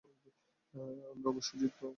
আমরা অবশ্যই জিতবো।